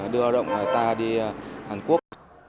đưa lao động ta đi hàn quốc